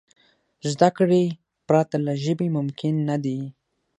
زدهکړې پرته له ژبي ممکن نه دي.